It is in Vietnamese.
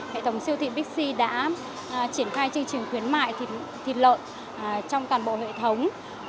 hệ thống siêu thị bixi đã triển khai chương trình khuyến mại thịt lợn trong toàn bộ hệ thống